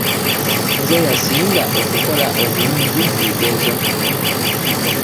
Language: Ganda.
Nze nnasinga okkola obulungi mu bigezo.